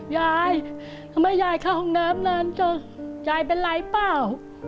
ยายทำไมยายเข้าห้องน้ำนานเจอยายเป็นไรเปล่า